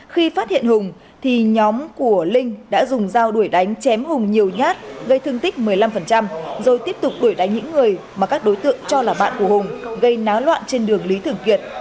khi phát hiện hùng thì nhóm của linh đã dùng dao đuổi đánh chém hùng nhiều nhát gây thương tích một mươi năm rồi tiếp tục đuổi đánh những người mà các đối tượng cho là bạn của hùng gây náo loạn trên đường lý thường kiệt